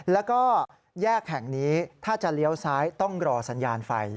แล้วก็แยกแห่งนี้ถ้าจะเลี้ยวซ้ายต้องรอสัญญาณไฟ